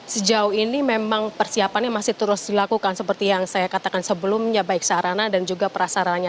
sejauh ini memang persiapannya masih terus dilakukan seperti yang saya katakan sebelumnya baik sarana dan juga prasaranya